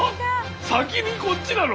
先にこっちなの？